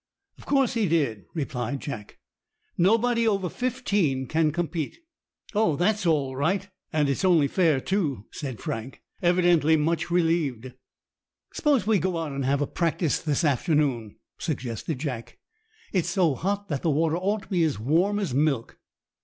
"Of course he did," replied Jack. "Nobody over fifteen can compete." "Oh, that's all right! And it's only fair, too," said Frank, evidently much relieved. "S'pose we go out and have a practice this afternoon," suggested Jack. "It's so hot that the water ought to be as warm as milk."